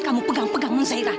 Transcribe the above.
kamu berani mengganggu nona zairan